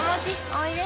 おいで。